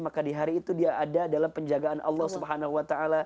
maka di hari itu dia ada dalam penjagaan allah swt